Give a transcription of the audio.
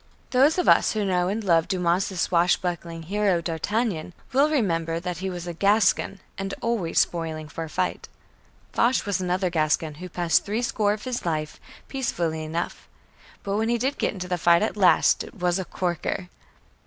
Those of us who know and love Dumas's swashbuckling hero, D'Artagnan, will remember that he was a Gascon and always spoiling for a fight. Foch was another Gascon who passed threescore years of his life peacefully enough but when he did get into the fight at last, it was a "corker"!